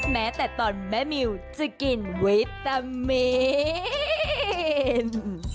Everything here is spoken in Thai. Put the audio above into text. แม้แต่ตอนแม่มิวจะกินวิตามิน